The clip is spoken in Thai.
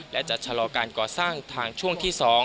และจะชะลอการก่อสร้างทางช่วงที่๒